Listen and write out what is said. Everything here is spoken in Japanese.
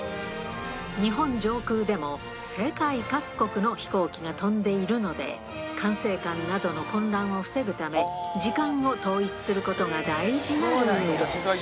日本上空でも世界各国の飛行機が飛んでいるので、管制官などの混乱を防ぐため、時間を統一することが大事なルール。